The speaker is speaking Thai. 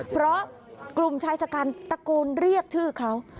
เพราะกลุ่มชายชะกันตะโกนเรียกชื่อเขา